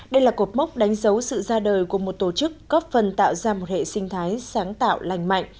đây là cột mốc đánh dấu sự ra đời của một tổ chức góp phần tạo ra một hệ sinh thái sáng tạo lành mạnh